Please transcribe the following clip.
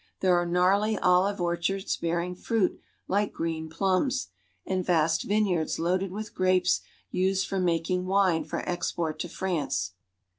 There are gnarly olive orchards bearing fruit like green plums, and vast vineyards loaded with grapes used for making wine for export to France.